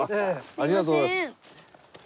ありがとうございます。